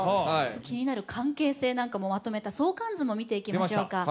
気になる関係性なんかもまとめた相関図を見ていきましょうか。